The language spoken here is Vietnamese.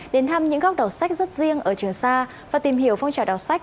đến thăm những góc đầu sách rất riêng ở trường sa và tìm hiểu phong trào đọc sách